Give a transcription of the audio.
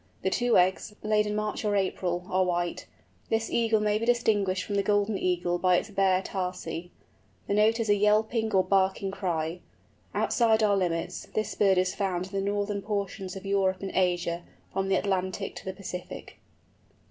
The two eggs, laid in March or April, are white. This Eagle may be distinguished from the Golden Eagle by its bare tarsi. The note is a yelping or barking cry. Outside our limits, this bird is found in the northern portions of Europe and Asia, from the Atlantic to the Pacific.